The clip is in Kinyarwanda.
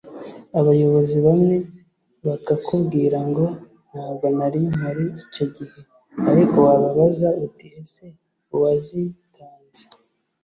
abayobozi bamwe bakakubwira ngo ‘ntabwo nari mpari icyo gihe’ ariko wababaza uti ‘ese uwazitanze